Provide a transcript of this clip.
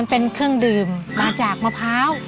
เป็นเครื่องดื่มมาจากมะพร้าว